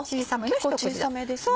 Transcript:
結構小さめですね。